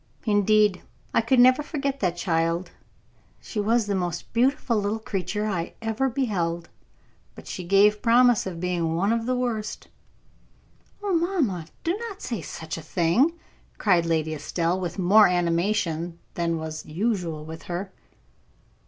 "Indeed I could never forget that child; she was the most beautiful little creature I ever beheld; but she gave promise of being one of the worst." "Oh, mamma, do not say such a thing!" cried Lady Estelle, with more animation than was usual with her.